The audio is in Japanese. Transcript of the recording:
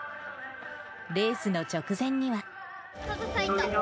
レースの直前には。